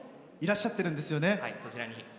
そちらに。